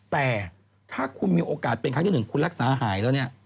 แต่ถ้าคุณมีโอกาสเป็นครั้งที่๑คุณรักษาหายแล้วเนี่ย